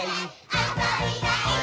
あそびたいっ！！」